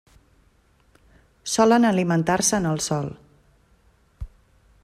Solen alimentar-se en el sòl.